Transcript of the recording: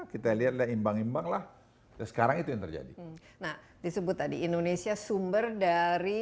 kita lihat dan imbang imbanglah sekarang itu yang terjadi nah disebut tadi indonesia sumber dari